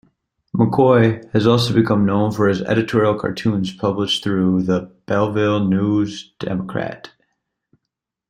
McCoy has also become known for his editorial cartoons published through the "Belleville News-Democrat".